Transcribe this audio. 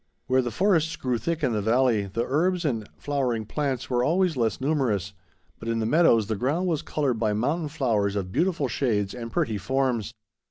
Where the forests grew thick in the valley, the herbs and flowering plants were always less numerous, but in the meadows the ground was colored by mountain flowers of beautiful shades and pretty forms.